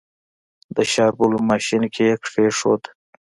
د شاربلو ماشين کې يې کېښود.